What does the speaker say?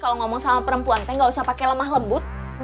kalo ngomong sama perempuan neng gausah pake lemah lembut